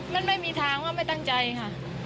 มันไม่มีทางว่าไม่ตั้งใจค่ะ